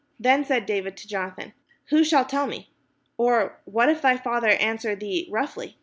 Then said David to Jonathan: "Who shall tell me? or what if thy father answer thee roughly?"